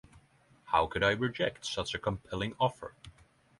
How could I reject such a compelling offer?